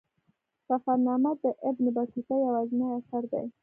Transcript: سفرنامه د ابن بطوطه یوازینی اثر دی.